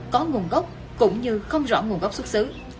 có nguồn gốc cũng như không rõ nguồn gốc xuất xứ